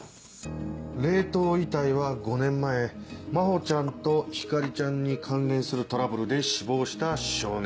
冷凍遺体は５年前真帆ちゃんと光莉ちゃんに関連するトラブルで死亡した少年。